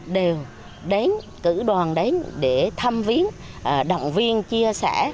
đều đánh cử đoàn đánh để thăm viên động viên chia sẻ